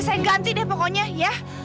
saya ganti deh pokoknya ya